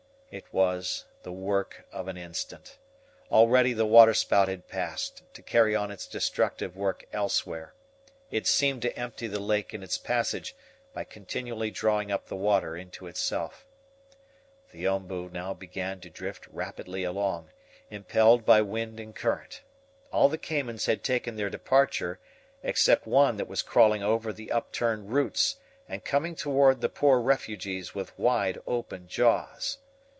It was the work of an instant. Already the water spout had passed, to carry on its destructive work elsewhere. It seemed to empty the lake in its passage, by continually drawing up the water into itself. The OMBU now began to drift rapidly along, impelled by wind and current. All the caimans had taken their departure, except one that was crawling over the upturned roots, and coming toward the poor refugees with wide open jaws.